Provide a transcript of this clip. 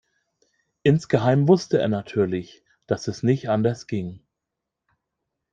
Insgeheim wusste er natürlich, dass es nicht anders ging.